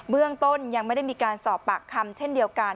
เรื่องต้นยังไม่ได้มีการสอบปากคำเช่นเดียวกัน